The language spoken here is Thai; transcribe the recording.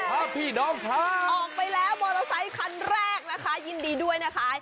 ออกไปแล้วมอเตอร์ไซค์คันแรกนะคะยินดีด้วยนะคะ